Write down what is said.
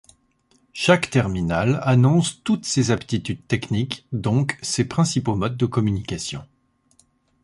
Chaque terminal annonce toutes ses aptitudes techniques, donc ses principaux modes de communication.